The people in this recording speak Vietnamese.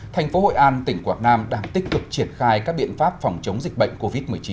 thành phố hội an tỉnh quảng nam đang tích cực triển khai các biện pháp phòng chống dịch bệnh covid một mươi chín